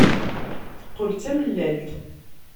Teqqel d tamellalt.